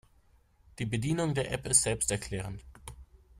Die Bedienung der App ist selbsterklärend.